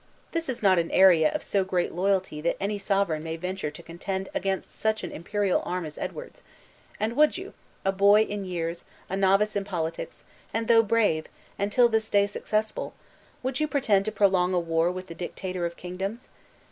This is not an area of so great loyalty that any sovereign may venture to contend against such an imperial arm as Edward's. And would you a boy in years, a novice in politics, and though brave, and till this day successful would you pretend to prolong a war with the dictator of kingdoms?